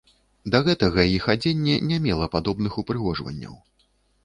Да гэтага іх адзенне не мела падобных упрыгожванняў.